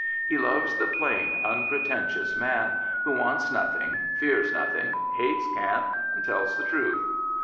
He loves the plain, unpretentious man, who wants nothing, fears nothing, hates cant, and tells the truth.